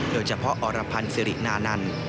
โดยเฉพาะอรพันธ์สิรินานันต์